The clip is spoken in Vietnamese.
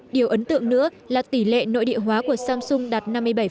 điều ấn tượng nữa là tỷ lệ nội địa hóa của samsung đạt năm mươi bảy